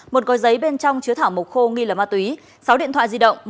một gói giấy bên trong chứa thảo mộc khô nghi là ma túy sáu điện thoại di động